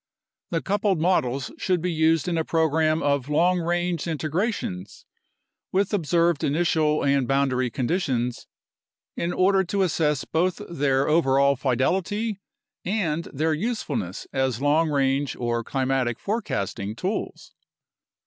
The coupled models should be used in a program of long range integrations with observed initial and boundary conditions, in order to assess both their overall fidelity and their usefulness as long range or climatic forecasting tools.